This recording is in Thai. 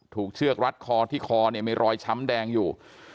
ถูกเชือกรัดคอที่คอมีรอยช้ำแดงอยู่